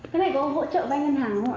cái này có hỗ trợ vay ngân hàng không ạ